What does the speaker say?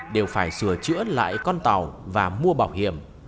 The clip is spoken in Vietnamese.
đều phải sửa chữa lại con tàu và mua bảo hiểm